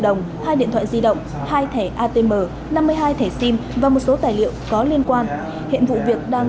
đồng hai điện thoại di động hai thẻ atm năm mươi hai thẻ sim và một số tài liệu có liên quan hiện vụ việc đang